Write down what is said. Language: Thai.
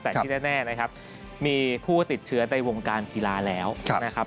แต่ที่แน่นะครับมีผู้ติดเชื้อในวงการกีฬาแล้วนะครับ